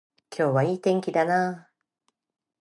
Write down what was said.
今日はいい天気だな